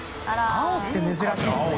青って珍しいですね。